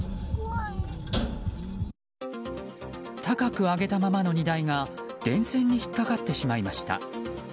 高く上げたままの荷台が電線に引っかかってしまいました。